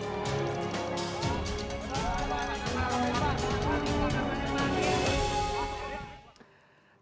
di dalam peringkat penerima suap berikut adalah keterangan keterangan suap